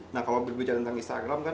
nah kalau berbicara tentang instagram kan